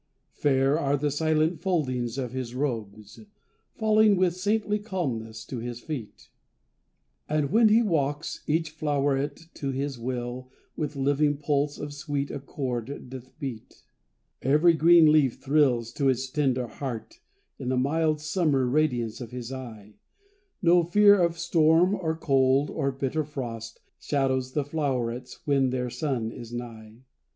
Fair are the silent foldings of his robes, Falling with saintly calmness to his feet; And when he walks, each floweret to his will With living pulse of sweet accord doth beat. Every green leaf thrills to its tender heart, In the mild summer radiance of his eye; No fear of storm, or cold, or bitter frost, Shadows the flowerets when their sun is nigh.